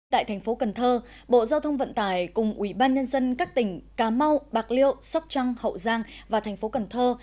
tại thành phố cần thơ bộ giao thông vận tải cùng ủy ban nhân dân các tỉnh cà mau bạc liệu sóc trăng hậu giang và thành phố cần thơ